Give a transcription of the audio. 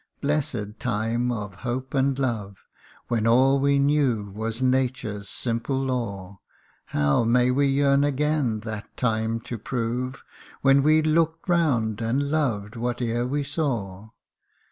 blessed time of hope and love, When all we knew was Nature's simple law, How may we yearn again that time to prove, When we looked round, and loved whatever we saw.